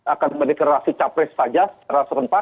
akan mendeklarasi cawapres saja secara serempak